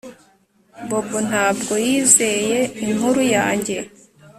Bobo ntabwo yizeye inkuru yanjye